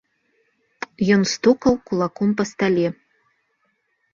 Ён стукаў кулаком па стале.